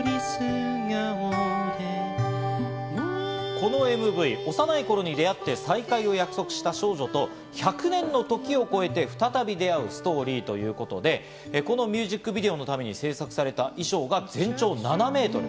このＭＶ、幼い頃に出会って、再会を約束した少女と、１００年の時を超えて、再び出会うストーリーということで、このミュージックビデオのために制作された衣装が全長７メートル。